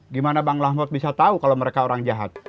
gimana bang rahmat bisa tahu kalau mereka orang jahat